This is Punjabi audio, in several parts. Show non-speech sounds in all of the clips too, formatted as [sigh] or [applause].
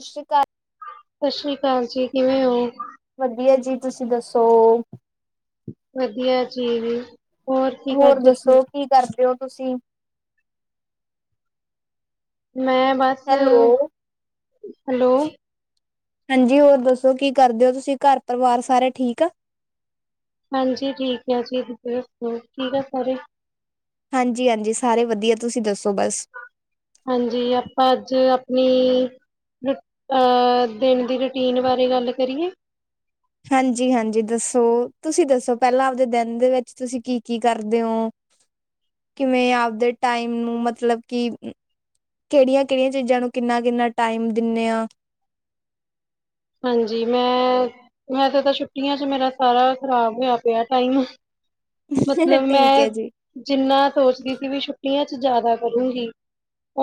ਸਤਿ ਸ਼੍ਰੀ ਕਾਲ ਸਤਿ ਸ਼੍ਰੀ ਅਕਾਲ ਜੀ ਕਿਵੇਂ ਔਂ? ਵਧੀਆ ਜੀ, ਤੁਸੀਂ ਦੱਸੋ। ਵਧੀਆ ਜੀਵੇ ਹੋਰ ਦੱਸੋ ਕੀ ਕਰਦੇ ਹੋ ਤੁਸੀਂ ਮੈਂ ਬਸ ਹੈਲੋ ਹਾਂਜੀ ਹੋਰ ਦੱਸੋ ਕੀ ਕਰਦੇ ਹੋ ਤੁਸੀਂ ਘਰ ਪਰਿਵਾਰ ਸਾਰੇ ਠੀਕ ਆ। ਹਾਂਜੀ ਠੀਕ ਆ ਜੀ ਸੁਣਾ [unintelligible] ਠੀਕ ਆ ਸਾਰੇ ਹਾਂਜੀ-ਹਾਂਜੀ ਸਾਰੇ ਵਧੀਆ ਤੁਸੀਂ ਦੱਸੋ ਬਸ ਹਾਂਜੀ ਆਪਾਂ ਅੱਜ ਆਪਣੀ ਅ ਦਿਨ ਦੀ ਰੂਟੀਨ ਬਾਰੇ ਗੱਲ ਕਰੀਏ। ਹਾਂਜੀ-ਹਾਂਜੀ ਦੱਸੋ ਤੁਸੀਂ ਦੱਸੋ ਪਹਿਲਾਂ ਆਪਦੇ ਦਿਨ ਦੇ ਵਿੱਚ ਤੁਸੀਂ ਕੀ-ਕੀ ਕਰਦੇ ਹੋ। ਕਿਵੇਂ ਆਪਦੇ ਟਾਈਮ ਨੂੰ ਮਤਲਬ ਕਿ ਕੇੜੀਆਂ-ਕੇੜੀਆਂ ਚੀਜ਼ਾਂ ਨੂੰ ਕਿੰਨਾ-ਕਿੰਨਾ ਟਾਈਮ ਦਿੰਨੇ ਆ। ਹਾਂਜੀ ਮੈਂ ਮੈਂ ਤੇ ਤ ਛੁੱਟੀਆਂ 'ਚ ਮੇਰਾ ਸਾਰਾ ਖ਼ਰਾਬ ਹੋਇਆ ਪਿਆ ਟਾਈਮ ਮਤਲਬ ਠੀਕ ਮੈਂ ਹੈ ਜੀ ਜਿੰਨਾ ਸੋਚਦੀ ਸੀ ਵੀ ਛੁੱਟੀਆਂ 'ਚ ਜਾਦਾ ਕਰੂੰਗੀ।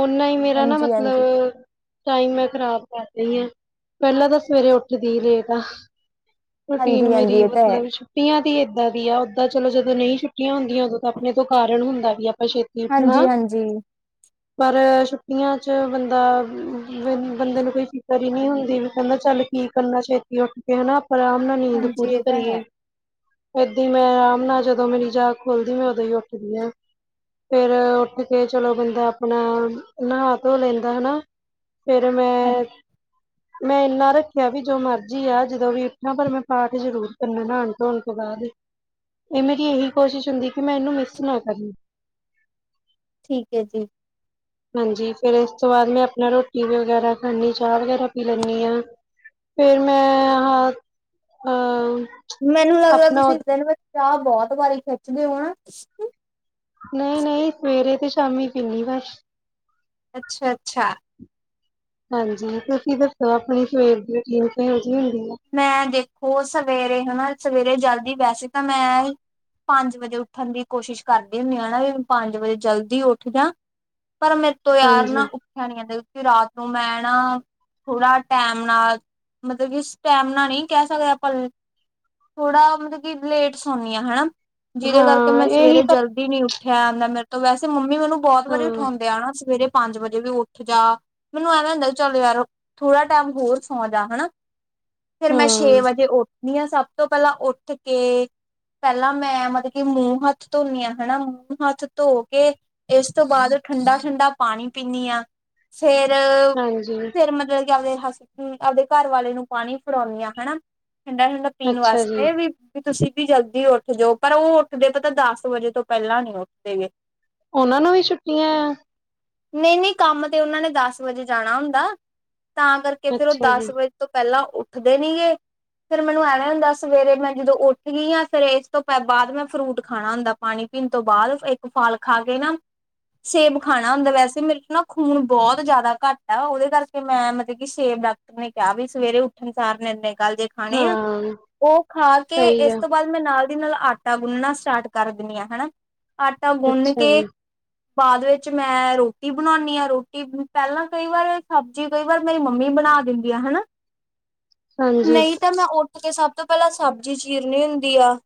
ਓਨਾ ਹੀ ਮੇਰਾ ਨਾ ਹਾਂਜੀ ਹਾਂਜੀ ਮਤਲਬ ਟਾਈਮ ਮੈਂ ਖ਼ਰਾਬ ਕਰ ਰਈ ਆਂ ਪਹਿਲਾਂ ਤਾਂ ਸਵੇਰੇ ਉੱਠਦੀ ਰੇਟ ਆ ਹਾਂਜੀ ਰੂਟੀਨ ਹਾਂਜੀ ਮੇਰੀ ਇਹ ਤਾਂ ਹੈ ਮਤਲਬ ਛੱਟੀਆਂ ਦੀ ਏਦਾਂ ਦੀ ਆ ਓਦਾਂ ਚਲੋ ਜਦੋਂ ਨਈ ਛੁੱਟੀਆਂ ਹੁੰਦੀਆਂ ਉਦੋਂ ਤਾਂ ਆਪਣੇ ਤੋਂ ਕਾਰਨ ਹੁੰਦਾ ਵੀ ਆਪਾਂ ਛੇ ਹਾਂਜੀ ਉਠਣਾ ਹਾਂਜੀ ਪਰ ਛੁੱਟੀਆਂ 'ਚ ਬੰਦਾ ਬੰਦੇ ਨੂੰ ਕੋਈ ਫਿਕਰ ਈ ਨਈ ਹੁੰਦੀ ਵੀ ਕ ਚਲ ਕੀ ਕਰਨਾ ਛੇਤੀ ਉੱਠ ਕੇ ਹਨਾ ਆਪਾਂ ਆਰਾਮ ਨਾਲ ਨੀਂਦ ਹਾਂਜੀ ਪੂਰੀ ਇਹ ਤਾਂ ਹੈ ਕਰੀਏ। ਏਦਾਂ ਮੈਂ ਆਰਾਮ ਨਾਲ ਜਦੋਂ ਮੇਰੀ ਜਾਗ ਖੋਲਦੀ ਮੈਂ ਓਦੋਂ ਹੀ ਉੱਠਦੀ ਹਾਂ। ਫਿਰ ਉੱਠ ਕੇ ਚਲੋ ਬੰਦਾ ਆਪਣਾ ਨਹਾ ਧੋ ਲੈਂਦਾ ਹਨਾ। ਫਿਰ ਹਾਂਜੀ ਮੈਂ-ਮੈਂ ਇੰਨਾ ਰੱਖ ਦੇਖਿਆ ਵੀ ਜੋ ਮਰਜ਼ੀ ਆ ਜਦੋਂ ਵੀ ਉੱਠਾ ਪਰ ਮੈਂ ਪਾਠ ਜ਼ਰੂਰ ਕਰਨਾ ਨਾਣ ਧੋਣ ਤੋਂ ਬਾਦ ਇਨਾ ਮੇਰੀ ਇਹੀ ਕੋਸ਼ਿਸ਼ ਹੁੰਦੀ ਕਿ ਮੈਂ ਇਨੂੰ ਮਿਸ ਨਾ ਕਰਨੀ। ਠੀਕ ਐ ਜੀ। ਹਾਂਜੀ ਫਿਰ ਇਸ ਤੋਂ ਬਾਦ ਮੈਂ ਆਪਣਾ ਰੋਟੀ ਵੀ ਵਗੈਰਾ ਖਾਂਨੀ ਚਾਹ ਵਗੈਰਾ ਪੀ ਲੈਂਣੀ ਆਂ ਫਿਰ ਮੈਂ ਹ ਆਂ ਮੈਨੂੰ ਲੱਗਦਾ ਤੁਸੀਂ ਦਿਨ ਚਾਹ ਬੋਤ ਵਾਰੀ ਖਿੱਚਦੇ ਹੋ ਨਾ। ਨਈ ਨਈ ਸਵੇਰੇ ਤੇ ਸ਼ਾਮੀ ਪੀਣੀ ਬਸ ਅੱਛਾ-ਅੱਛਾ ਹਾਂਜੀ ਤੁਸੀ ਕੀ ਦੱਸੋ ਆਪਣੀ ਸਵੇਰ ਦੀ ਰਟੀਨ ਕਿਹੋ ਜਿਹੀ ਹੁੰਦੀ ਆ। ਮੈਂ ਦੇਖੋ ਸਵੇਰੇ ਹਨਾ ਸਵੇਰੇ ਜਲਦੀ ਵੈਸੇ ਤਾਂ ਮੈਂ ਪੰਜ ਵਜੇ ਉੱਠਣ ਦੀ ਕੋਸ਼ਿਸ਼ ਕਰਦੀ ਹੁੰਨੀ ਆਂ ਵੀ ਪੰਜ ਵਜੇ ਜਲਦੀ ਉੱਠ ਜਾਂ। ਪਰ ਮੈਂ ਤੋ ਯਾਰ ਨਾ ਹਾਂਜੀ ਉੱ ਉਠਿਆ ਨਈ ਜਾਂਦਾ ਕਿਉਂਕਿ ਰਾਤ ਨੂੰ ਮੈਂ ਨਾ ਥੋੜਾ ਟੈਮ ਨਾਲ ਮਤਲਬ ਕਿ ਸ ਟੈਮ ਨਾਲ ਨਈ ਕੈ ਸਕਦੇ ਆਪਾਂ ਥੋੜਾ ਮਤਲਬ ਕਿ ਲੇਟ ਸੌਣੀ ਆਂ ਹਨਾ। ਜਿਦੇ ਕਰਕੇ ਹਾਂ ਮੈਂ ਇਹੀ ਸਵੇਰੇ ਤਾਂ ਜਲਦੀ ਨੀ ਉੱਠ ਠਿਆਰ ਨਾਲ ਮੇਰੇ ਤੋਂ ਵੈਸੇ ਮੰਮੀ ਮੈਨੂੰ ਬੋਤ ਹਾਂ ਵਾਰੀ ਉਠਾਉਂਦੇ ਆ ਹਨਾ ਸਵੇਰੇ ਪੰਜ ਵਜੇ ਵੀ ਉੱਠ ਜਾ ਮੈਨੂੰ ਐਂ ਹੁੰਦਾ ਚਲ ਯਾਰ ਥੋੜਾ ਟਾਈਮ ਹੋਰ ਸੌ ਜਾਂ ਹਨਾ। ਫਿਰ ਮੈਂ ਛੇ ਹਾਂ ਵਜੇ ਉੱਠਦੀ ਹਾਂ ਸਭ ਤੋਂ ਪੈਲਾਂ ਉੱਠ ਕੇ ਪੈਲਾਂ ਮੈਂ ਮਤਲਬ ਕਿ ਮੂੰਹ ਹੱਥ ਧੋਨੀ ਆਂ ਹਨਾ ਮੂੰਹ ਹੱਥ ਧੋ ਕੇ ਇਸ ਤੋਂ ਬਾਦ ਠੰਡਾ-ਠੰਡਾ ਪਾਣੀ ਪੀਣੀ ਆਂ। ਫੇਰ, ਹਾਂਜੀ ਫੇਰ ਮਤਲਬ ਕਿ ਆਪਦੇ ਹਸਬੈਂਡ ਆਪਦੇ ਘਰ ਵਾਲੇ ਨੂੰ ਪਾਣੀ ਫੜਾਉਂਨੀ ਆਂ ਹਨਾ। ਠੰਡਾ ਠੰਡਾ ਪੀਣ ਅੱਛਾ ਜੀ ਵਾਸਤੇ ਵੀ ਵੀ ਤੁਸੀ ਵੀ ਜਲਦੀ ਉੱਠ ਜਓ ਪਰ ਓ ਉੱਠਦੇ ਪਤਾ ਦਸ ਵਜੇ ਤੋਂ ਪੇਲਾਂ ਨੀ ਉੱਠਦੇ ਗੇ। ਓਨਾਂ ਨੂੰ ਵੀ ਛੁੱਟੀਆਂ ਐਂ। ਨੀ ਨੀ ਕੰਮ ਤੇ ਓਨਾਂ ਨੇ ਦਸ ਵਜੇ ਜਾਣਾ ਹੁੰਦਾ, ਤਾਂ ਕਰ ਕੇ ਫੇਰ ਓ ਅੱਛਾ ਦਸ ਜੀ ਵਜੇ ਤੋਂ ਪੈਲਾਂ ਉੱਠਦੇ ਨੀ ਗੇ। ਫੇਰ ਮੈਨੂੰ ਐਵੇਂ ਹੁੰਦਾ ਸਵੇਰੇ ਮੈਂ ਜਦੋਂ ਉੱਠਗੀ ਆਂ ਫੇਰ ਏਸ ਤੋਂ ਪੇ ਬਾਦ ਮੈਂ ਫਰੂਟ ਖਾਣਾ ਹੁੰਦਾ। ਪਾਣੀ ਪੀਨ ਤੋਂ ਬਾਦ ਏਕ ਫਲ ਖਾ ਕੇ ਨਾ ਸੇਬ ਖਾਣਾ ਹੁੰਦਾ। ਵੈਸੇ ਮੇਰੇ ਚ ਨਾ ਖੂਨ ਬੋਤ ਜਾਦਾ ਘੱਟ ਆ, ਓਦੇ ਕਰਕੇ ਮੈਂ ਮਤਲ ਕਿ ਸੇਬ ਡਾਕ ਨੇ ਕੇਆ ਵੀ ਸਵੇਰੇ ਉੱਠਣ ਸਾਰ ਨਿਰਨੇ ਕਾਲਜੇ ਖਾਣੇ ਆ। ਹਾਂ ਓ ਖਾ ਕੇ ਸਹੀ ਏਸ ਆ ਤੋਂ ਬਾਦ ਮੈਂ ਨਾਲ ਦੀ ਨਾਲ ਆਟਾ ਗੁੰਨਣਾ ਸਟਾਰਟ ਕਰ ਦੇਨੀ ਆਂ ਹਨਾ। ਆਟਾ ਗੁੰਨ ਅੱਛਾ ਕੇ ਜੀ ਬਾਦ ਵਿੱਚ ਮੈਂ ਰੋਟੀ ਬਣਾਉਨੀ ਆਂ। ਰੋਟੀ ਪੈਲਾਂ ਕਈ ਵਾਰ ਸਬ ਜੀ ਕਈ ਵਾਰ ਮੇਰੀ ਮੰਮੀ ਬਣਾ ਦੇਂਦੀ ਆ ਹਨਾ। ਹਾਂਜੀ। ਤੇ ਮੈਂ ਓਠ ਕੇ ਸਭ ਤੋਂ ਪੇਲਾਂ ਸਬਜੀ ਚੀਰਨੀ ਹੁੰਦੀ ਆ।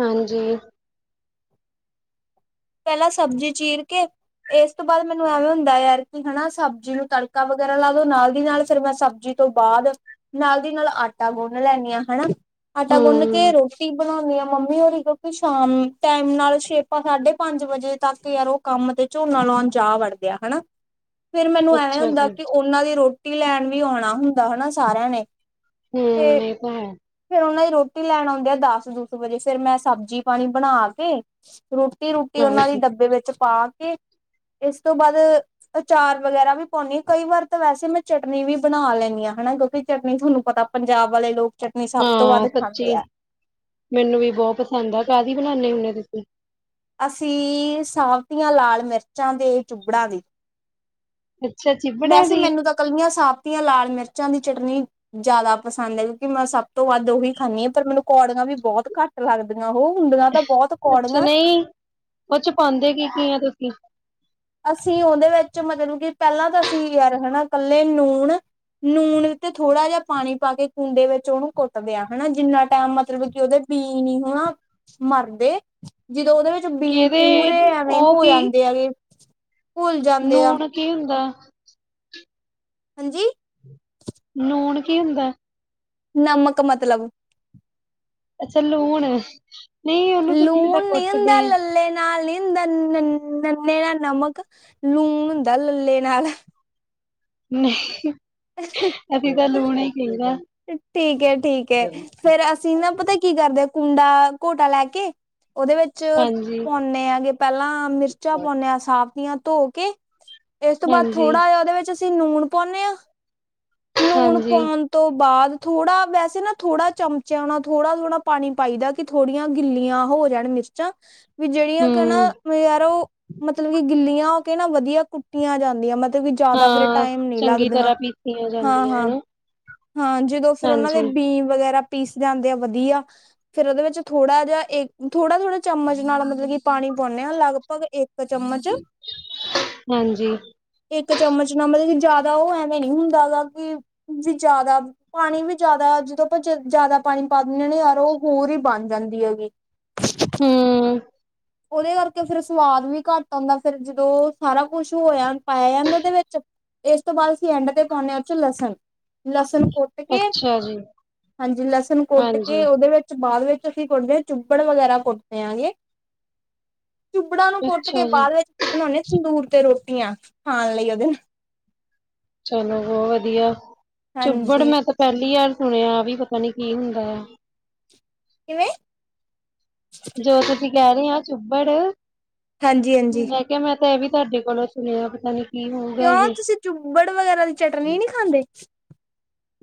ਹਾਂਜੀ। ਪੈਲਾਂ ਸਬਜੀ ਚੀਰ ਕੇ। ਏਸ ਤੋਂ ਬਾਦ ਮੈਨੂੰ ਐਵੇਂ ਹੁੰਦਾ ਯਾਰ ਕਿ ਹਨਾ ਸਬਜੀ ਨੂੰ ਤੜਕਾ ਵਗੈਰਾ ਲਾ ਦੋ। ਨਾਲ ਦੀ ਨਾਲ ਫੇਰ ਮੈਂ ਸਬਜੀ ਤੋਂ ਬਾਦ ਨਾਲ ਦੀ ਨਾਲ ਆਟਾ ਗੁਨ ਲੈਨੀ ਆਂ ਹੈਨਾ। ਆਟਾ ਗੁੰਨ ਹਮ ਕੇ ਰੋਟੀ ਬਣਾਉਨੀ ਆ ਮੰਮੀ ਹੋਰੀ ਕਿਉਂਕਿ ਸ਼ਾਮ ਟੈਮ ਨਾਲ ਸ਼ੇਪਾ ਸਾਡੇ ਪੰਜ ਵਜੇ ਤੱਕ ਯਾਰ ਓ ਕੰਮ ਤੇ ਝੋਨਾ ਲਾਉਣ ਜਾ ਵੜਦੇ ਆ ਹਨਾ। ਫਿਰ ਮੈਨੂੰ ਐਵੇਂ ਅੱਛਾ ਹੁੰਦਾ ਜੀ ਕਿ ਓਨਾਂ ਦੀ ਰੋਟੀ ਲੈਣ ਵੀ ਆਉਣਾ ਹੁੰਦਾ ਹਨਾ ਸਾਰੇਆਂ ਨੇ। ਹੂੰ। ਤੇ ਏ ਤਾਂ ਹੈ। ਫੇਰ ਓਨਾ ਦੀ ਰੋਟੀ ਲੈਣ ਆਉਂਦੇ ਆ ਦਸ ਦੁਸ ਵਜੇ। ਫੇਰ ਮੈਂ ਸਬਜੀ ਪਾਣੀ ਬਣਾ ਕੇ ਰੋਟੀ ਰੂਟੀ ਓਨਾਂ ਦੀ ਹਾਂਜੀ ਡੱਬੇ ਵਿੱਚ ਪਾ ਕੇ ਏਸ ਤੋਂ ਬਾਦ ਅਚਾਰ ਵਗੈਰਾ ਵੀ ਪਾਉਨੀ। ਕਈ ਵਾਰ ਤਾਂ ਵੈਸੇ ਮੈਂ ਚਟਨੀ ਵੀ ਬਣਾ ਲੈਂਨੀ ਆਂ ਹਨਾ ਕਿਉਂਕਿ ਚਟਨੀ ਥੋਨੂੰ ਪਤਾ ਪੰਜਾਬ ਵਾਲੇ ਲੋਕ ਚਟਨੀ ਸਭ ਤੋਂ ਹਾਂ ਵੱਧ ਸੱਚੀ, ਖਾਂਦੇ ਆ ਮੈਨੂੰ ਵੀ ਬੋ ਪਸੰਦ ਆ। ਕਾਦੀ ਬਣਾਉਨੇ ਹੁੰਨੇ ਤੁਸੀ? ਅਸੀ ਸਾਵਤੀਆਂ ਲਾਲ ਮਿਰਚਾਂ ਦੇ ਚੁੱਬੜਾਂ ਦੀ। ਅੱਛਾ ਜੀ। ਵੈਸੇ ਮੈਨੂੰ ਤਾਂ ਕੱਲੀਆਂ ਸਾਬਤੀਆਂ ਲਾਲ ਮਿਰਚਾਂ ਦੀ ਚਟਨੀ ਜਾਦਾ ਪਸੰਦ ਐ ਕਿਉਂਕਿ ਮੈਂ ਸਭ ਤੋਂ ਵੱਧ ਓਹੀ ਖਾਨੀ ਪਰ ਮੈਨੂੰ ਕੌੜੀਆਂ ਵੀ ਬੋਤ ਘੱਟ ਲੱਗਦੀਆ ਓਹ। ਹੁੰਦੀਆਂ ਤਾਂ ਬੋਤ ਕੌੜੀਆਂ। ਓਚ ਪਾਂਦੇ ਕੀ ਕੀ ਆਂ ਤੁਸੀ? ਅਸੀ ਓਦੇ ਵੇਚ ਮਤਲਬ ਕਿ ਪੈਲਾਂ ਤਾਂ ਅਸੀ ਯਾਰ ਹਨਾ ਕੱਲੇ ਨੂਣ ਨੂਣ ਤੇ ਥੋੜਾ ਜਾ ਪਾਣੀ ਪਾ ਕੇ ਕੂੰਡੇ ਵਿੱਚ ਓਨੂੰ ਕੁੱਟ ਦੇਆ ਹੈਨਾ ਜਿੰਨਾ ਟਾਈਮ ਮਤਲਬ ਕਿ ਓਦੇ ਪੀ ਣੀ ਹੋਣਾ ਮਰਦੇ ਜਦੋਂ ਓਦੇ ਵਿੱਚ ਬੀ ਕਿਹਦੇ ਪੂਰੇ ਐਵੇਂ ਉਹ ਹੋ ਕੀ ਜਾਂਦੇ ਹੈਗੇ। ਭੁੱਲ ਜਾਂਦੇ ਆ ਨੂਣ ਕੀ ਹੁੰਦਾ? ਹਾਂਜੀ। ਨੂਣ ਕੀ ਹੁੰਦਾ ਐ? ਨਮਕ ਮਤਲਬ। ਅੱਛਾ ਲੂਣ। ਨਹੀਂ ਉਹਨੂੰ ਤੁਸੀਂ ਜਿੱਦਾਂ ਲੂਣ ਨੀ ਹੁੰਦਾ ਕੁੱਟਦੇ ਆ ਲੱਲੇ ਨਾਲ ਨੀ ਹੁੰਦਾ। ਨਨ ਨੰਨੇ ਨਾਲ ਨਮਕ ਲੂਣ ਹੁੰਦਾ ਲੱਲੇ ਨਾਲ। ਨਹੀਂ [unintelligible] ਅਸੀਂ ਤਾਂ ਲੂਣ ਈ ਕਈਦਾ। ਠੀਕ ਹੈ ਠੀਕ ਹੈ ਫੇਰ ਅ ਅਸੀਂ ਨਾ ਪਤਾ ਕੀ ਕਰਦੇ ਆ ਕੂਡਾ ਘੋਟਾ ਲੈ ਕੇ, ਉਹਦੇ ਵਿੱਚ ਹਾਂਜੀ ਪਾਉਂਨੇ ਆ ਗੇ। ਪਹਿਲਾਂ ਮਿਰਚਾਂ ਪਾਉਂਨੇ ਆ ਸਾਵਤੀਆਂ ਧੋ ਕੇ, ਇਸ ਤੋਂ ਬਾਅਦ ਹਾਂਜੀ ਥੋੜਾ ਜਾ ਉਹਦੇ ਵਿੱਚ ਅਸੀਂ ਨੂਣ ਪਾਉਂਨੇ ਆ, ਨੂਣ ਹਾਂਜੀ ਪਾਉਣ ਤੋਂ ਬਾਅਦ ਥੋੜਾ ਵੈਸੇ ਨਾ ਥੋੜਾ ਚਮਚਿਆਂ ਨਾਲ ਥੋੜਾ-ਥੋੜਾ ਪਾਣੀ ਪਾਈ ਦਾ। ਕਿ ਥੋੜੀਆਂ ਗਿੱਲੀਆਂ ਹੋ ਜਾਣ ਮਿਰਚਾਂ। ਵੀ ਜਿਹੜੀਆਂ ਕ ਹਮ ਨਾ ਯਾਰ ਉਹ, ਮਤਲਬ ਕਿ ਗਿੱਲੀਆਂ ਹੋ ਕੇ ਨਾ ਵਧੀਆ ਕੁੱਟੀਆਂ ਜਾਂਦੀਆਂ ਮ ਜਿਆਦਾ ਫੇਰ ਹਾਂ ਟਾਈਮ ਨੀ ਚੰਗੀ ਲੱਗਦੀਆਂ। [unintelligible] ਹਾਂ-ਹਾਂ, ਹਨਾ ਹਾਂ ਜਦੋਂ ਫਿਰ ਉਹਨਾਂ ਹਾਂਜੀ ਦੇ ਬੀ ਵਗੈਰਾ ਪੀਸ ਜਾਂਦੇ ਆ ਵਧੀਆ ਫਿਰ ਉਹਦੇ ਵਿੱਚ ਥੋੜਾ ਜਿਹਾ ਥੋੜਾ-ਥੋੜਾ ਚਮਚ ਨਾਲ ਮਤਲਬ ਕਿ ਪਾਣੀ ਪਾਉਂਦੇ ਹਾਂ ਲਗਭਗ ਇੱਕ ਚਮਚ। ਹਾਂਜੀ ਇੱਕ ਚਮਚ ਨਾ ਮਤਲਬ ਕਿ ਜਿਆਦਾ ਉਹ ਐਵੇਂ ਨੀ ਹੁੰਦਾ ਗਾ ਕਿ ਵੀ ਜਿਆਦਾ ਪਾਣੀ ਵੀ ਜ਼ਿਆਦਾ ਜਦੋਂ ਆਪਾਂ ਜ਼ਿਆਦਾ ਪਾਣੀ ਪਾ ਦਿੰਨੇ ਆ ਨਾ ਯਾਰ ਉਹ ਹੋਰ ਹੀ ਬਣ ਜਾਂਦੀ ਹੈਗੀ। ਹੂੰ ਉਹਦੇ ਕਰਕੇ ਫਿਰ ਸਵਾਦ ਵੀ ਘੱਟ ਆਂਦਾ ਫਿਰ ਜਦੋਂ ਸਾਰਾ ਕੁਛ ਹੋਇਆ ਪਾਇਆ ਜਾਂਦੇ ਉਹਦੇ ਵਿੱਚ ਇਸ ਤੋਂ ਬਾਅਦ ਅਸੀਂ ਐਂਡ ਤੇ ਪਾਉਂਨੇ ਆ ਉਹ 'ਚ ਲਸਣ। ਲਸਣ ਕੁੱਟ ਕੇ, ਅੱਛਾ ਜੀ ਹਾਂਜੀ ਲਸਣ ਕੁੱਟ ਹਾਂਜੀ ਕੇ ਉਹਦੇ ਵਿੱ ਚ ਬਾਅਦ ਵਿੱਚ ਅਸੀਂ ਕੁੱਟਦੇ ਹਾਂ ਚਿੱਬੜ ਵਗੈਰਾ ਕੁੱਟਦੇ ਆ ਗੇ। ਚੁਬੜਾ ਨੂੰ ਕੁੱਟ ਕੇ ਅੱਛਾ ਜੀ ਬਾਅਦ ਵਿੱਚ ਬਣਾਉਂਣੇ ਸੰਦੂਰ ਤੇ ਰੋਟੀਆਂ ਖਾਣ ਲਈ ਉਹਦੇ ਨਾਲ। ਚਲੋ ਬਹੁਤ ਵਧੀਆ, ਚੁੱਬੜ ਹਾਂਜੀ ਮੈਂ ਤਾਂ ਪਹਿਲੀ ਵਾਰ ਸੁਣਿਆ ਵੀ ਪਤਾ ਨੀ ਕੀ ਹੁੰਦਾ ਆ। ਕਿਵੇਂ ਜੋ ਤੁਸੀਂ ਕਹਿ ਰਹੇ ਆ ਚੁੱਬੜ। ਹਾਂਜੀ-ਹਾਂਜੀ। ਮੈਂ ਕਿਆ ਮੈਂ ਤਾਂ ਇਹ ਵੀ ਤੁਹਾਡੇ ਕੋਲ ਸੁਣਿਆ ਪਤਾ ਨੀ। ਕੀ ਹੋਊਗਾ ਕਿਉਂ ਇਹ ਤੁਸੀਂ ਚੁੱਬੜ ਵਗੈਰਾ ਦੀ ਚਟਨੀ ਨੀ ਖਾਂਦੇ?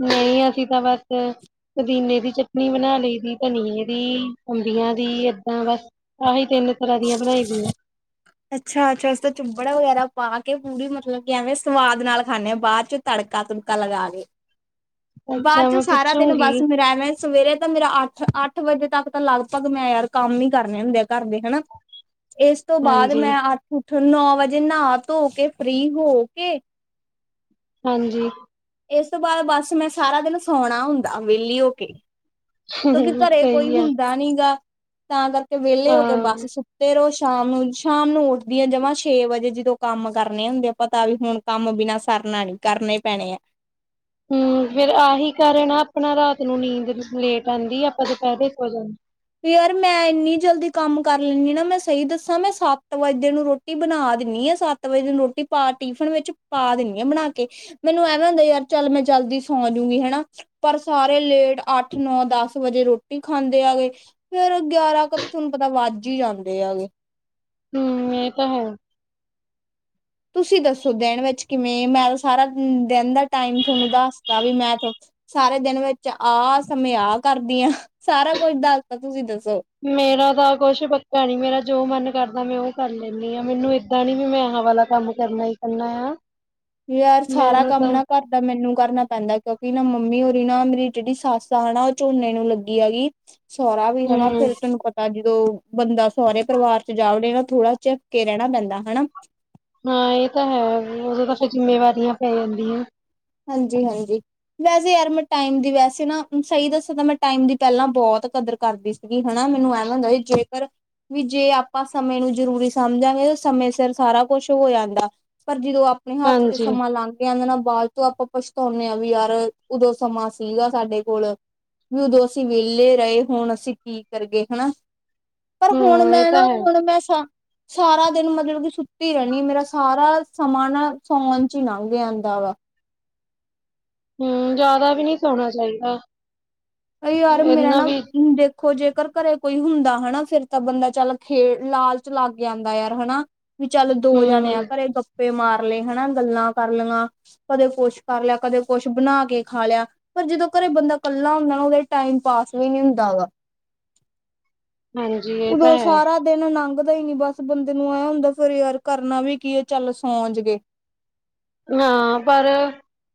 ਨਹੀਂ ਅਸੀਂ ਤਾਂ ਬਸ ਪੁਦੀਨੇ ਦੀ ਚਟਨੀ ਬਣਾ ਲਈ ਦੀ, ਧਨੀਏ ਦੀ, ਅੰਬੀਆਂ ਦੀ ਏਦਾਂ ਬਸ। ਆਹੀ ਤਿੰਨ ਤਰ੍ਹਾਂ ਦੀਆਂ ਬਣਾਈ ਦੀਆਂ। ਅੱਛਾ-ਅੱਛਾ ਉਸ ਤੋਂ ਚੁੱਬੜਾ ਵਗੈਰਾ ਪਾ ਕੇ ਪੂਰੀ ਮਤਲਬ ਕਿ ਐਵੇਂ ਸਵਾਦ ਨਾਲ ਖਾਂਨੇ ਆ ਬਾਦ ਚ ਤੜਕਾ-ਤੁੜਕਾ ਲਗਾ ਕੇ। [inaudible] ਬਾਅਦ ਅੱਛਾ ਚੋਂ ਮੈਂ ਸਾਰਾ ਦਿਨ ਪੁੱਛੂਗੀ ਬਸ ਮੇਰਾ ਮੈਂ- ਸਵੇਰੇ ਤਾਂ ਮੇਰਾ ਅੱਠ-ਅੱਠ ਵਜੇ ਤੱਕ ਤਾਂ ਲਗਭਗ ਮੈਂ ਯਾਰ ਕੰਮ ਹੀ ਕਰਨੇ ਹੁੰਦੇ ਆ ਘਰ ਦੇ ਹਨਾ। ਇਸ ਤੋਂ ਬਾਅਦ ਹਾਂਜੀ ਮੈਂ ਅੱਠ ਉੱਠ ਨੌ ਵਜੇ ਨਹਾ ਧੋ ਕੇ ਫ੍ਰਰੀ ਹੋ ਕੇ ਹਾਂਜੀ। ਇਸ ਤੋਂ ਬਾਅਦ ਬਸ ਮੈਂ ਸਾਰਾ ਦਿਨ ਸੌਣਾ ਹੁੰਦਾ ਵਿਹਲੀ ਹੋ ਕੇ। ਕਿਉਂਕਿ ਘਰੇ ਕੋਈ ਸਹੀ ਆ ਹੁੰਦਾ ਨੀ ਗਾ, ਤਾਂ ਕਰਕੇ ਵਿਹਲੇ ਹੋ ਕੇ ਬੱਸ ਹਾਂ। ਫੇਰ ਉਹ ਸ਼ਾਮ ਨੂੰ ਸ਼ਾਮ ਨੂੰ ਉੱਠਦੀ ਆਂ ਜਮਾਂ ਛੇ ਵਜੇ ਜਦੋਂ ਕੰਮ ਕਰਨੇ ਹੁੰਦੇ ਆ ਪਤਾ ਵੀ ਹੁਣ ਕੰਮ ਬਿਨਾਂ ਸਰਨਾ ਨੀ ਕਰਨੇ ਪੈਣੇ ਐ। ਹੂੰ ਫਿਰ ਆਹੀ ਕਾਰਨ ਆ ਆਪਣਾ ਰਾਤ ਨੂੰ ਨੀਂਦ ਲੇਟ ਆਂਦੀ ਆ ਆਪਾਂ ਦੁਪਹਿਰੇ ਸੋ ਜਾਂਦੇ। ਯਾਰ ਮੈਂ ਇੰਨੀ ਜਲਦੀ ਕੰਮ ਕਰ ਲੈਂਨੀ ਹ ਨਾ, ਮੈਂ ਸਹੀ ਦੱਸਾਂ ਮੈਂ ਸੱਤ ਵੱਜੇ ਨੂੰ ਰੋਟੀ ਰੋਟੀ ਬਣਾ ਦਿੰਨੀ ਆ ਸੱਤ ਵਜੇ ਦਿਨ ਰੋਟੀ ਪਾ ਟਿਫਨ ਵਿੱਚ ਪਾ ਦੇਨੀ ਆ ਬਣਾ ਕੇ। ਮੈਨੂੰ ਐਵੇਂ ਹੁੰਦਾ ਯਾਰ ਚੱਲ ਮੈਂ ਜਲਦੀ ਸੌ ਜੂਗੀ ਹਨਾ। ਪਰ ਸਾਰੇ ਲੇਟ ਅੱਠ, ਨੌ, ਦਸ ਵਜੇ ਰੋਟੀ ਖਾਂਦੇ ਆ ਗੇ। ਫੇਰ ਗਿਆਰਾਂ ਕ ਤਾਂ ਤੁਹਾਨੂੰ ਪਤਾ ਵੱਜ ਹੀ ਜਾਂਦੇ ਆਗੇ। ਹੁੰ, ਇਹ ਤਾਂ ਹੈ। ਤੁਸੀਂ ਦੱਸੋ ਦਿਨ ਵਿੱਚ ਕਿਵੇਂ ਮੈਂ ਸਾਰਾ ਦਿਨ ਦਾ ਟਾਈਮ ਤੁਹਾਨੂੰ ਦੱਸਦਾ ਵੀ ਮੈਂ ਸਾਰੇ ਦਿਨ ਵਿੱਚ ਆ ਸਮੇਂ ਆਹ ਕਰਦੀ ਆ, ਸਾਰਾ ਕੁਛ ਦੱਸਦਾ ਤੁਸੀਂ ਦੱਸੋ। ਮੇਰਾ ਤਾਂ ਕੁਛ ਪੱਕਾ ਨੀ ਮੇਰਾ ਜੋ ਮਨ ਕਰਦਾ ਮੈਂ ਉਹ ਕਰ ਲੈਂਨੀ ਹਾਂ ਮੈਨੂੰ ਏਦਾਂ ਨੀ ਵੀ ਮੈਂ ਹਾਂ ਵਾਲਾ ਕੰਮ ਕਰਨਾ ਈ ਕਰਨਾ ਆ। ਯਾਰ ਸਾਰਾ ਮੈਨੂੰ ਕੰਮ ਤਾਂ ਨਾ ਕਰ ਤਾਂ ਮੈਨੂੰ ਕਰਨਾ ਪੈਂਦਾ ਕਿਉਂਕਿ ਨਾ ਮੰਮੀ ਊਰੀ ਨਾ ਮੇਰੀ ਜਿਹੜੀ ਸੱਸ ਆ ਨਾ ਉਹ ਝੋਨੇ ਨੂੰ ਲੱਗੀ ਹੈਗੀ। ਸਹਰਾ ਵੀ ਹਨਾ ਹੂੰ ਫਿਰ ਤਹਾਨੂੰ ਪਤਾ ਜਦੋਂ ਬੰਦਾ ਸਹੁਰੇ ਪਰਿਵਾਰ ਚ ਜਾ ਉੇ ਨਾ ਥੋੜਾ ਚਝੱਕ ਕੇ ਰਹਿਣਾ ਪੈਂਦਾ ਹਨਾ। ਹਾਂ ਇਹ ਤਾਂ ਹੈ ਉਹੋਂ ਤਾਂ ਫਿਰ ਜਿੰਮੇਵਾਰੀਆਂ ਪੈ ਜਾਂਦੀਆਂ। ਹਾਂਜੀ-ਹਾਂਜੀ। ਵੈਸੇ ਯਾਰ ਮੈਂ ਟਾਈਮ ਦੀ ਵੈਸੇ ਨਾ ਸਹੀ ਦੱਸਾਂ ਤਾਂ ਮੈਂ ਟਾਈਮ ਦੀ ਪਹਿਲਾਂ ਬਹੁਤ ਕਦਰ ਕਰਦੀ ਸੀ। ਹਨਾ ਮੈਨੂੰ ਐਮ ਹੁੰਦਾ ਜੇਕਰ ਵੀ ਜੇ ਆਪਾਂ ਸਮੇਂ ਨੂੰ ਜਰੂਰੀ ਸਮਝਾਂਗੇ ਤਾਂ ਸਮੇਂ ਸਿਰ ਸਾਰਾ ਕੁਛ ਹੋ ਜਾਂਦਾ। ਪਰ ਜਦੋਂ ਆਪਣੇ ਹੱਥ ਚੋਂ ਹਾਂਜੀ ਸਮਾਂ ਲੰਘ ਗਿਆ ਜਾਂਦੇ ਨਾ ਬਾਲ ਤੋਂ ਆਪਾਂ ਪਛਤਾਉਂਦੇ ਹਾਂ ਵੀ ਯਾਰ ਉਦੋਂ ਸਮਾਂ ਸੀਗਾ ਸਾਡੇ ਕੋਲ। ਵੀ ਉਦੋਂ ਅਸੀਂ ਵਿਹਲੇ ਰਹੇ ਹੁਣ ਅਸੀਂ ਕੀ ਕਰੀਏ ਹਨਾ। ਪਰ ਹੁਣ ਹੂੰ ਇਹ ਮੈਂ ਤਾਂ ਨਾ ਹੈ ਹੁਣ ਮੈਂ ਸ ਸਾਰਾ ਦਿਨ ਮਤਲਬ ਕਿ ਸੁੱਤੀ ਰਹਿਣੀ ਆ ਮੇਰਾ ਸਾਰਾ ਸਮਾਂ ਨਾ ਸੌਣ ਚ ਹੀ ਲੰਘ ਜਾਂਦਾ ਵਾ। ਹੂੰ, ਜਾਦਾ ਵੀ ਨਹੀਂ ਸੋਣਾ ਚਾਹੀਦਾ ਐ। ਊ ਯਾਰ ਮੇਰਾ ਨਾ [unintelligible] ਦੇਖੋ ਜੇਕਰ ਕਰੇ ਕੋਈ ਹੁੰਦਾ ਹਨਾ ਫੇਰ ਤਾਂ ਬੰਦਾ ਚੱਲ ਖੇਡ ਲਾਲਚ ਲੱਗ ਜਾਂਂਦਾ ਯਾਰ ਹਨਾ। ਵੀ ਚੱਲ ਦੋ ਜਾਣੇ ਆ ਹੂੰ ਕਰੇ ਗੱਪੇ ਮਾਰ ਲਏ ਹਨਾ ਗੱਲਾਂ ਕਰ ਲਈਆਂ। ਕਦੇ ਕੁਛ ਕਰ ਲਿਆ ਕਦੇ ਕੁਛ ਬਣਾ ਕੇ ਖਾ ਲਿਆ, ਪਰ ਜਦੋਂ ਕਰੇ ਬੰਦਾ ਕੱਲਾ ਹੁੰਦਾ। ਉਹਦੇ ਟਾਈਮ ਪਾਸ ਵੀ ਨੀ ਹੁੰਦਾ ਐ ਗਾ, ਹਾਂਜੀ ਇਹ ਤਾਂ ਉਦੋਂ ਹੈ। ਸਾਰਾ ਦਿਨ ਲੰਘਦਾ ਹੀ ਨੀ ਬਸ ਬੰਦੇ ਨੂੰ ਐ ਹੁੰਦਾ ਫੇਰ ਯਾਰ ਕਰਨਾ ਵੀ ਕੀ ਚੱਲ ਸੋ ਜੀਏ। ਹਾਂ, ਪਰ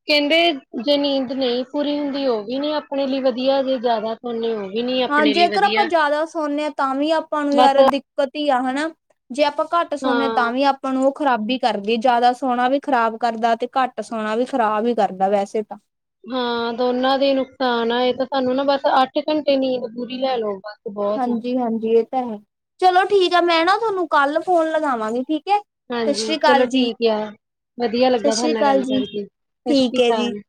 ਕਹਿੰਦੇ ਜੇ ਨੀਂਦ ਨਹੀਂ ਪੂਰੀ ਹੁੰਦੀ ਉਹ ਵੀ ਨੀ ਆਪਣੇ ਲਈ ਵਧੀਆ ਜੇ ਜ਼ਿਆਦਾ ਨੇ ਉਹ ਵੀ ਨੀ ਹਾਂ, ਆਪਣੇ ਲਈ ਜੇਕਰ ਆਪਾਂ ਵਧੀਆ ਜਾਦਾ ਸੋਨੇ ਹਾਂ ਤਾਂ ਵੀ ਆਪਾਂ ਨੂੰ ਬਸ ਯਾਰ ਦਿੱਕਤ ਹੀ ਆ ਹਨਾ ਜੇ ਆਪਾਂ ਘੱਟ ਹਾਂ ਸੌਦੇ ਹ ਤਾਂ ਵੀ ਆਪਾਂ ਆਪਾਂ ਨੂੰ ਉਹ ਖ਼ਰਾਬੀ ਕਰਦੀ ਜ਼ਿਆਦਾ ਸੋਣਾ ਵੀ ਖ਼ਰਾਬ ਕਰਦਾ ਤੇ, ਕੱਟ ਸੋਣਾ ਵੀ ਖ਼ਰਾਬ ਹੀ ਕਰਦਾ ਵੈਸੇ ਤਾਂ। ਹਾਂ ਦੋਨਾਂ ਦੇ ਨੁਕਸਾਨ ਆ ਇਹ ਤਾਂ ਸਾਨੂੰ ਨਾ ਬਸ ਅੱਠ ਘੰਟੇ ਨੀਂਦ ਪੂਰੀ ਲੈ ਲੋ। ਹਾਂਜੀ-ਹਾਂਜੀ, ਇਹ ਤਾਂ ਹੈ ਚਲੋ ਠੀਕ ਆ ਮੈਂ ਨਾ ਤੁਹਾਨੂੰ ਕੱਲ ਫੋਨ ਲਗਾਵਾਂਗੀ ਠੀਕ ਐ। ਸਤਿ ਹਾਂਜੀ ਸ੍ਰੀ ਚਲੋ ਅਕਾਲ, ਜੀ ਠੀਕ ਆ ਵਧੀਆ ਸਤਿ ਲੱਗਾ ਤੁਹਾਡੇ ਸ੍ਰੀ ਨਾਲ ਅਕਾਲ ਗੱਲ ਜੀ ਕਰਕੇ ਸਤਿ ਸ੍ਰੀ ਠੀਕ ਐ ਜੀ। ਅਕਾਲ